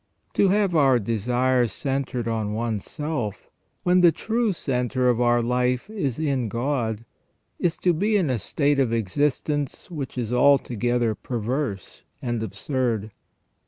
To have our desires centred on one's self, when the true centre of our life is in God, is to be in a state of existence which is altogether perverse and absurd.